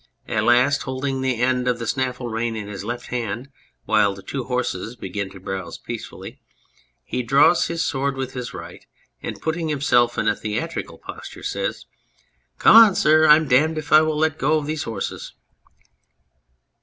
At last, holding the end of the snaffle rein in his left hand while the two horses begin to browse peacefully, he drairs his sword with his right, and putting himself in a theatrical posture, says) : Come on, sir, I'm damned if I will let go of these horses.